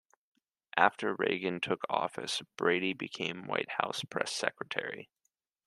After Reagan took office, Brady became White House Press Secretary.